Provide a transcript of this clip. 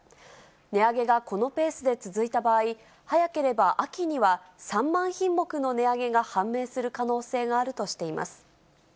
値上げがこのペースで続いた場合、早ければ秋には３万品目の値上げが判明する可能性があるとしています。